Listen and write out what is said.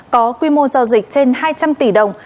có quy mô giao dịch trên hai trăm linh tỷ đồng